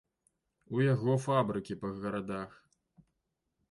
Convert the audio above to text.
У яго фабрыкі па гарадах.